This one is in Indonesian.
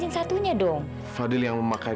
kalau enggak aku pergi panggil mobil